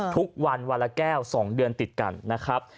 ทุกวันวันละแก้ว๒เดือนติดกันนะครับ